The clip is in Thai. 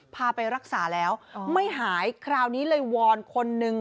พาไปรักษาแล้วไม่หายคราวนี้เลยวอนคนนึง